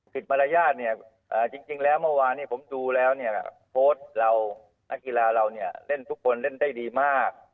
มารยาทเนี่ยจริงแล้วเมื่อวานผมดูแล้วเนี่ยโพสต์เรานักกีฬาเราเนี่ยเล่นทุกคนเล่นได้ดีมาก